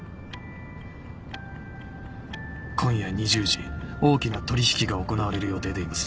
今夜２０時大きな取引が行われる予定でいます。